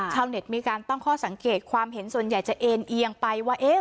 เน็ตมีการตั้งข้อสังเกตความเห็นส่วนใหญ่จะเอ็นเอียงไปว่าเอ๊ะ